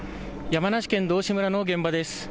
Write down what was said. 山梨県道志村の現場です。